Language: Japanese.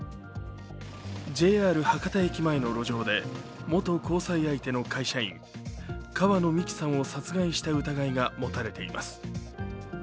ＪＲ博多駅前の路上で元交際相手の会社員、川野美樹さんを殺害した疑いが持たれています。